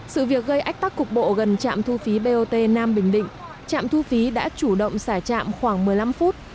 sự việc gây ách tắc cục bộ gần trạm thu phí bot nam bình định trạm thu phí đã chủ động xả trạm khoảng một mươi năm phút